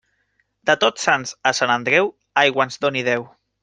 De Tots Sants a Sant Andreu, aigua ens doni Déu.